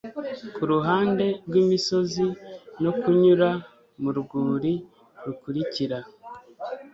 Kuruhande rwimisozi no kunyura mu rwuri rukurikira